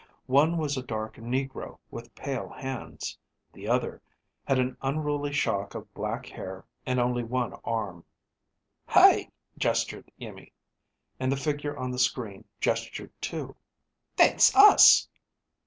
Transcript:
One was a dark Negro with pale hands. The other had an unruly shock of black hair and only one arm. "Hey," gestured Iimmi, and the figure on the screen gestured too. "That's us."